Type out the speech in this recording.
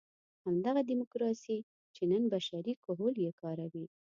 همدغه ډیموکراسي چې نن بشري کهول یې کاروي.